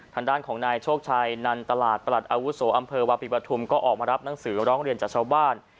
ทางด้านของนายโชคชัยนันตลาดประหลัดอาวุโสอำเภอวาปีปฐุมก็ออกมารับหนังสือร้องเรียนจากชาวบ้าน